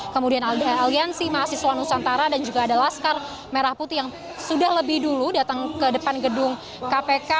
kemudian aliansi mahasiswa nusantara dan juga ada laskar merah putih yang sudah lebih dulu datang ke depan gedung kpk